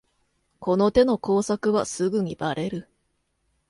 この手の工作はすぐにバレる